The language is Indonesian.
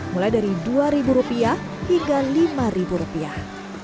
mulai dari dua ribu rupiah hingga lima rupiah